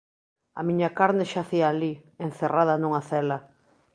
A miña carne xacía alí, encerrada nunha cela.